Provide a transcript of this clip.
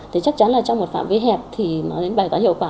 thì chắc chắn là trong một phạm vi hẹp thì nói đến bài toán hiệu quả